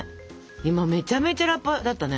今めちゃめちゃラッパーだったね。